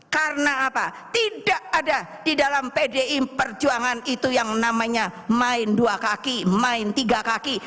karena apa tidak ada di dalam pdi perjuangan itu yang namanya main dua kaki main tiga kaki